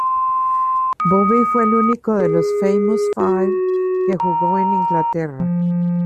Bobby fue el único de los "Famous Five" que jugó en Inglaterra.